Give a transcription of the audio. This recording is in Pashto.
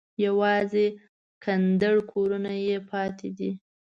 یوازې کنډر کورونه یې پاتې دي.